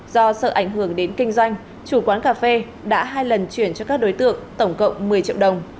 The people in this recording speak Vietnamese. do sợ ảnh hưởng đến kinh doanh chủ quán cà phê đã hai lần chuyển cho các đối tượng tổng cộng một mươi triệu đồng